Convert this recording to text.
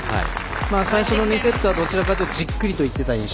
最初の２セットはどちらかというとじっくりといっていた印象。